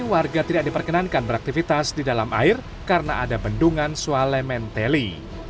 warga tidak diperkenankan beraktivitas di dalam air karena ada bendungan sualementeli